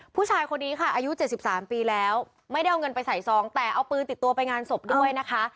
ผู้ชายคนนี้ค่ะอายุ๗๓ปีแล้วไม่ได้เอาเงินไปใส่ซองแต่เอาปืนติดตัวไปงานศพด้วยนะคะ